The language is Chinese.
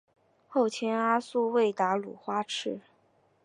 后兼阿速卫达鲁花赤。